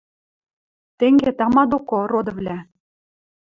Тенге, тама доко, родывлӓ.